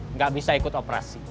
nggak bisa ikut operasi